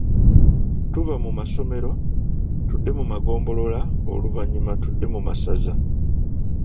Tuva mu masomero, tudde mu magombolola oluvannyuma tudde mu masaza.